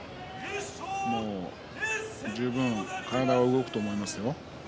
もう十分体は動くと思いますよ。